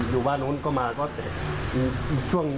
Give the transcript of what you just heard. อยู่บ้านนู้นก็มาก็เจ็บ